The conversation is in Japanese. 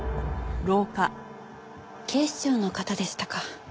警視庁の方でしたか。